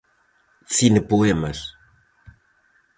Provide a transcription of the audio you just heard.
Cinepoemas.